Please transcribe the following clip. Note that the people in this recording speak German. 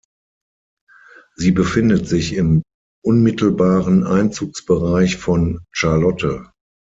Sie befindet sich im unmittelbaren Einzugsbereich von Charlotte.